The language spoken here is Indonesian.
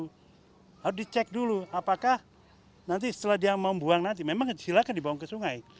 harus dicek dulu apakah nanti setelah dia mau buang nanti memang silakan dibawa ke sungai